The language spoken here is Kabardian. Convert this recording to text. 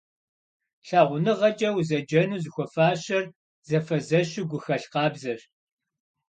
ЛъагъуныгъэкӀэ узэджэну зыхуэфащэр зэфэзэщу гухэлъ къабзэщ.